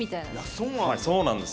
そうなんですよ。